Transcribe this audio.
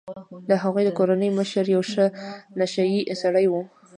د هغوی د کورنۍ مشر یو نشه يي سړی و.